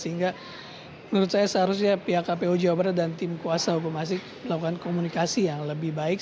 sehingga menurut saya seharusnya pihak kpu jawa barat dan tim kuasa hukum asik melakukan komunikasi yang lebih baik